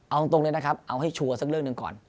เอาตรงเลยนะครับเอาให้ชัวร์สักเรื่องหนึ่งก่อน